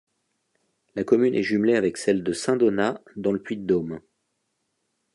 La commune est jumelée avec celle de Saint-Donat, dans le Puy-de-Dôme.